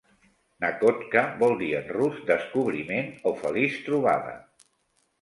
Nakhodka vol dir en rus 'descobriment' o 'feliç trobada'.